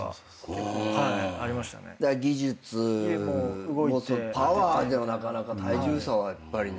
技術もパワーではなかなか体重差はやっぱりね。